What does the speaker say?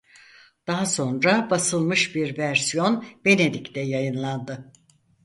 Daha sonra basılmış bir versiyon Venedik'te yayınlandı.